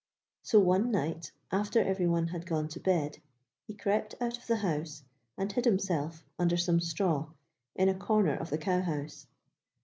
So one night after everyone had gone to bed he crept out of the house and hid himself under some straw in a corner of the cow house.